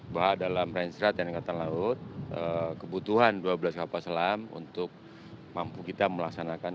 bahwa dalam ranserat tni angkatan laut kebutuhan dua belas kapal selam untuk mampu kita melaksanakan